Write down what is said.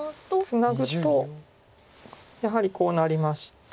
ツナぐとやはりこうなりまして。